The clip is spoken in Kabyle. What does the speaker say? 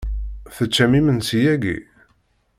Teččam imensi yagi?